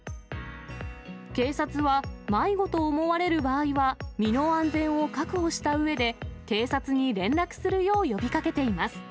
警察は迷子と思われる場合は、身の安全を確保したうえで、警察に連絡するよう呼びかけています。